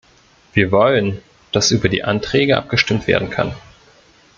Wir wollen, dass über die Anträge abgestimmt werden kann.